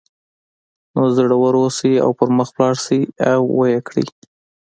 نو زړور اوسئ او پر مخ لاړ شئ او ویې کړئ